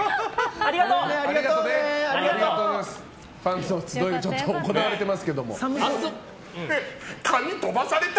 ありがとうございます！